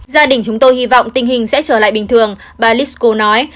gia đình chúng tôi hy vọng tình hình sẽ trở lại bình thường bà lisco nói